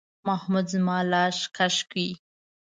محمود زما لاس راکش کړ.